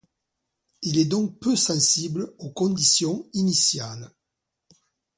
Il est donc peu sensible aux conditions initiales.